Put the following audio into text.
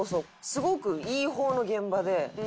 すごくいい方の現場で。